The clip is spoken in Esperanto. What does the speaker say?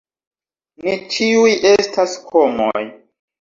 Ni ĉiuj estas homoj.